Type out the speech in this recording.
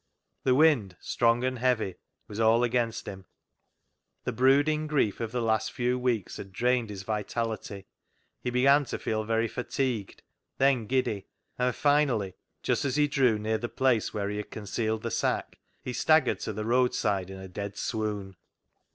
The wind, strong and heavy, was all against him, the brooding grief of the last few weeks had drained his vitality ; he began to feel very fatigued, then giddy ; and finally, just as he drew near the place where he had concealed the sack, he staggered to the road side in a dead swoon.